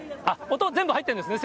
音、全部入ってるんですね？